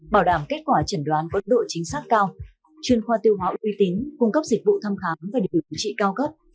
bảo đảm kết quả chẩn đoán có độ chính xác cao chuyên khoa tiêu hóa uy tín cung cấp dịch vụ thăm khám và điều trị cao cấp